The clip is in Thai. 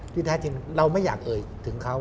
แท้จริงเราไม่อยากเอ่ยถึงเขา